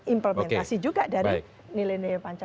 implementasi juga dari nilai nilai pancasila